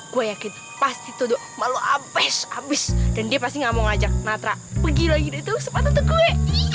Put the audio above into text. gue yakin pasti toduk malu abis abis dan dia pasti gak mau ngajak natra pergi lagi deh tuh sepatu gue